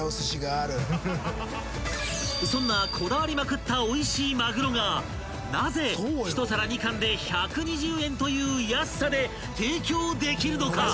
［そんなこだわりまくったおいしいまぐろがなぜ１皿２貫で１２０円という安さで提供できるのか？］